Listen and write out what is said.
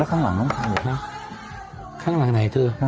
แล้วข้างหลังต้องทำกับครับข้างหลังไหนเธอห๋อ